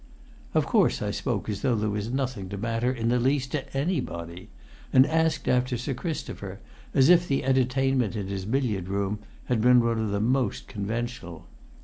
Of course I spoke as though there was nothing to matter in the least to anybody, and asked after Sir Christopher as if the entertainment in his billiard room had been one of the most conventional.